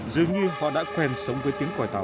dường như họ đã quen sống với tiếng còi tàu